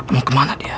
mau kemana dia